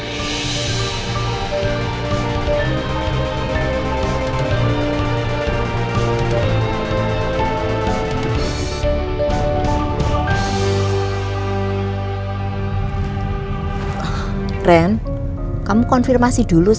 sekarang aku kullanakan